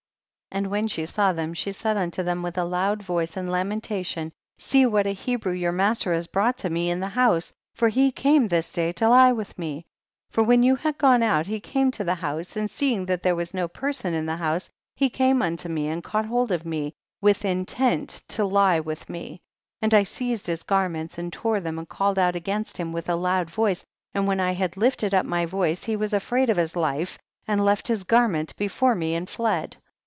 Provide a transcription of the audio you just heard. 57. And when she saw them she said unto them with a loud voice and lamentation see what a Hebrew your master has brought to me in the house, for he came this day to lie with me. 58. For when you had gone out he came to the house, and seeing that there was no person in the house, he came unto me, and caught hold of me, with intent to lie with me. 59. And I seized his garments and tore them and called out against him with a loud voice, and when I had lifted up my voice he was afraid of his life and left his garment before me, and fled.